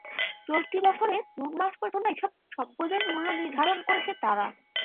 চলতি বছরের জুন মাস পর্যন্ত এসব সম্পদের মূল্য নির্ধারণ করেছে তারা।